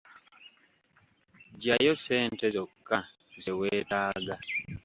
Ggyayo ssente zokka ze weetaaga